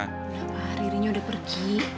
udah pak ririnya udah pergi